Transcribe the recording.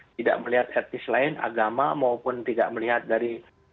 tidak melihat etnis lain agama maupun tidak melihat dari